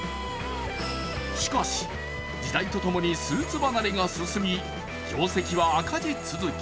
しかし、時代とともにスーツ離れが進み業績は赤字続き。